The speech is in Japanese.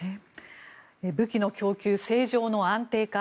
武器の供給政情の安定化